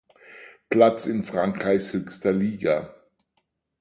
Platz in Frankreichs höchster Liga.